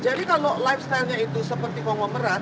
jadi kalau lifestylenya itu seperti kongom merat